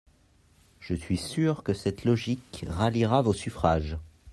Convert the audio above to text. Je suis sûre que cette logique ralliera vos suffrages.